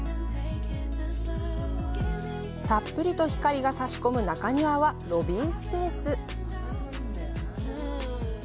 たっぷりと光が差し込む中庭はロビースペース。